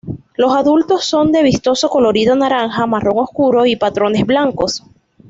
Los adultos son de vistoso colorido, naranja, marrón oscuro y patrones blancos.